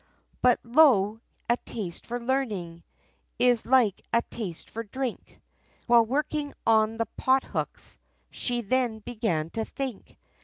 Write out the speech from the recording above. But lo! a taste for learning, Is like a taste for drink, While working on the pothooks, She then began to think.